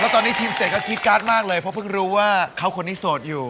ตอนนี้ทีมเศษก็กรี๊ดการ์ดมากเลยเพราะเพิ่งรู้ว่าเขาคนนี้โสดอยู่